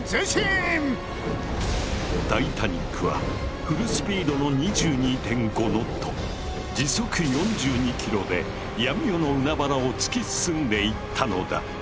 タイタニックはフルスピードの２２．５ノット時速４２キロで闇夜の海原を突き進んでいったのだ。